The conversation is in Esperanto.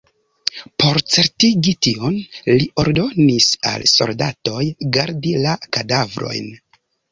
Por certigi tion, li ordonis al soldatoj gardi la kadavrojn.